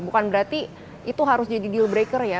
bukan berarti itu harus jadi deal breaker ya